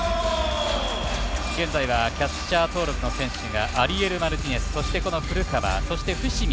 現在はキャッチャー登録の選手がアリエル・マルティネスそして、古川、伏見